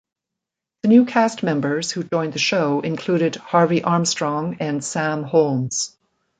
The new cast members who joined the show included Harvey Armstrong and Sam Holmes.